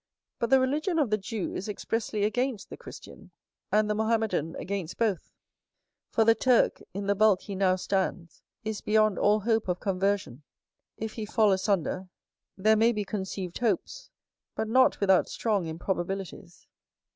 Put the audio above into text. But the religion of the Jew is expressly against the Christian, and the Mohammedan against both; for the Turk, in the bulk he now stands, is beyond all hope of conversion: if he fall asunder, there may be conceived hopes; but not without strong improbabilities.